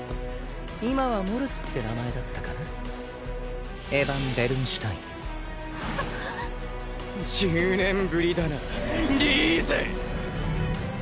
今はモルスって名前だったかなエヴァン＝ベルンシュタイン１０年ぶりだなリーゼ！